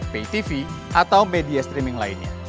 pay tv atau media streaming lainnya